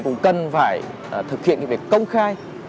cũng cần phải thực hiện việc công khai